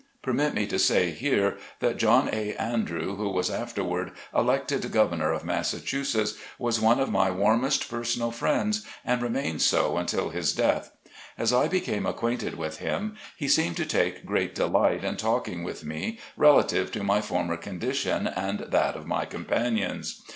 Permit me to say here, that John A. Andrew, who was afterward elected governor of Massachusetts, was one of my warmest personal friends, and remained so until his death. As I became acquainted with him he seemed to take great delight in talking with me relative to my former con dition, and that of my companions.